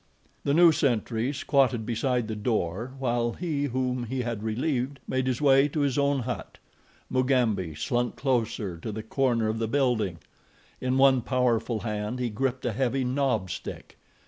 The new sentry squatted beside the door, while he whom he had relieved made his way to his own hut. Mugambi slunk closer to the corner of the building. In one powerful hand he gripped a heavy knob stick.